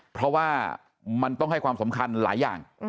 เพราะว่ามันต้องให้ความสำคัญหลายอย่าง